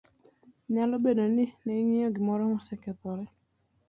Nyalo bedo ni ne ing'iewo gimoro ma osekethore,